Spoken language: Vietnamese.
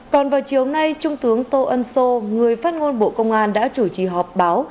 còn vào chiều nay trung tướng tô ân sô người phát ngôn bộ công an đã chủ trì họp báo